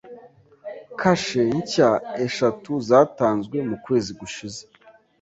Kashe nshya eshatu zatanzwe mu kwezi gushize.